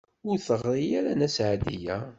Ur d-teɣri ara Nna Seɛdiya.